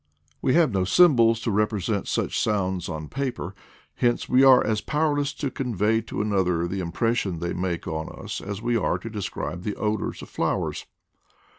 We have no symbols to represent such sounds on paper, hence we are as powerless to convey to another the impression they make on us as we are to describe the odors of flowers.